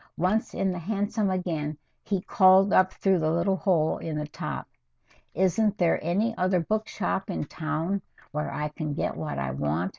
Once in the hansom again, he called up through the little hole in the top. "Isn't there any other book shop in town where I can get what I want?"